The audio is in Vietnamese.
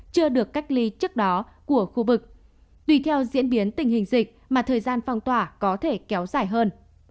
trước đó của khu vực tùy theo diễn biến tình hình dịch mà thời gian phong tỏa có thể kéo dài hơn